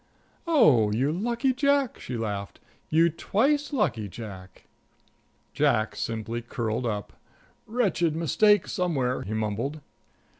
"Oh, you lucky Jack," she laughed. "You twice lucky Jack." Jack simply curled up: "Wretched mistake somewhere," he mumbled.